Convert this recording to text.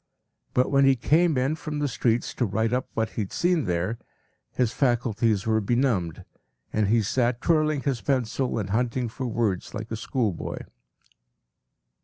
” But when he came in from the streets to write up what he had seen there, his faculties were benumbed, and he sat twirling his pencil and hunting for words like a schoolboy.